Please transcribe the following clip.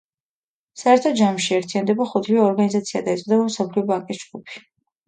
საერთო ჯამში ერთიანდება ხუთივე ორგანიზაცია და ეწოდება მსოფლიო ბანკის ჯგუფი.